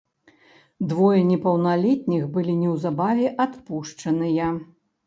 Двое непаўналетніх былі неўзабаве адпушчаныя.